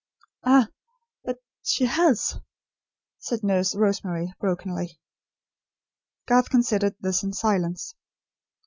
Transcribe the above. "Ah, but she has," said Nurse Rosemary, brokenly. Garth considered this in silence.